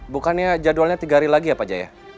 bukannya jadwalnya tiga hari lagi ya pak jaya